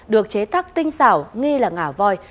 được chế tác tinh xảo nghi là ngả voi